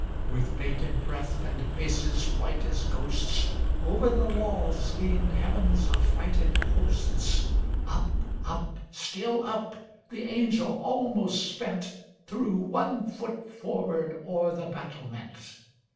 With bated breath and faces white as ghosts, Over the walls leaned heaven's affrighted hosts. Up, up, still up, the angel almost spent, Threw one foot forward o'er the battlement.